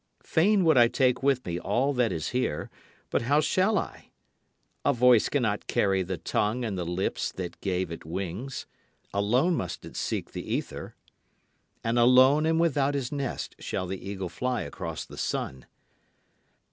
Fain would I take with me all that is here. But how shall I? A voice cannot carry the tongue and the lips that gave it wings. Alone must it seek the ether. And alone and without his nest shall the eagle fly across the sun.